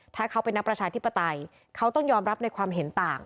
ถ้าเขาเป็นนักประชาธิปไตยเขาต้องยอมรับในความเห็นต่าง